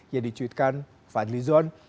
yang dicuitkan fadli zon